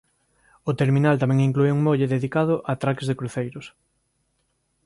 O terminal tamén inclúe un molle dedicado a atraque de cruceiros.